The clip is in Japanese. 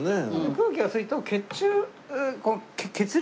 空気が薄いと血中。